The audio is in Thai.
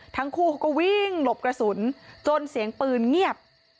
ทั้งคู่เขาก็วิ่งหลบกระสุนจนเสียงปืนเงียบ